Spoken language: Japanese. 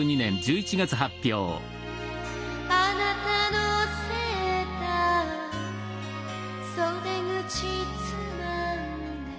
「あなたのセーター袖口つまんで」